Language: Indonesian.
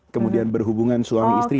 kemudian berhubungan suami istri